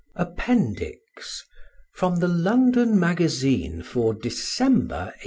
APPENDIX From the "London Magazine" for December 1822.